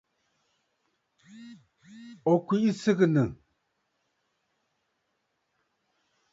Ò kwìʼi sɨgɨ̀nə̀.